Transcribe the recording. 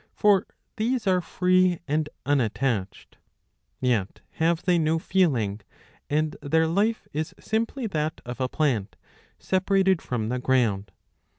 For these are free and unattached. Yet have they no feeling,^ and their life is simply that of a*plant, separated from the ground.